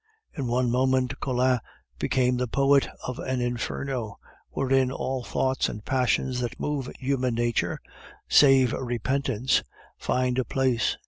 In one moment Collin became the poet of an inferno, wherein all thoughts and passions that move human nature (save repentance) find a place.